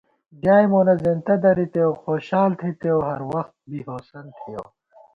ڈیائے مونہ زېنہ درِتېؤ خوشال تھِتېؤ ، ہر وخت بی ہوسند تھِیَؤ